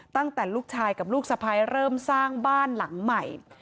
ตั้งแต่ลูกชายกับลูกสะพ้ายเริ่มสร้างบ้านหลังใหม่